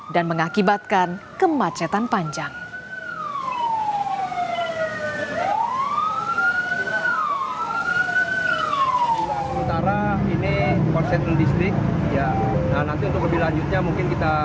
dan mengakibatkan kemacetan panjang